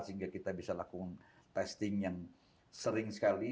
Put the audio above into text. sehingga kita bisa lakukan testing yang sering sekali